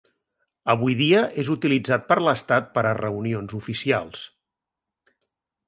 Avui dia és utilitzat per l'Estat per a reunions oficials.